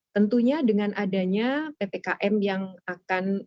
tentunya dengan adanya ppkm yang akan